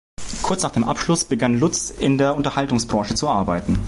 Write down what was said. Kurz nach dem Abschluss begann Lutz in der Unterhaltungsbranche zu arbeiten.